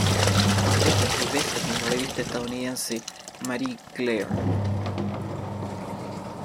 Apareció seis veces en la revista estadounidense Marie Claire.